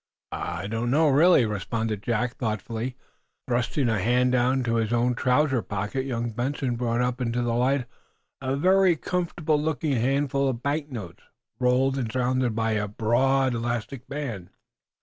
"I I don't know, really," responded Jack, thoughtfully, thrusting a hand down into his own trousers pocket. Young Benson brought up into the light a very comfortable looking handful of banknotes, rolled and surrounded by a broad elastic band.